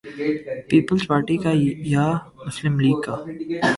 Peoples Party کا یا مسلم لیگ کا؟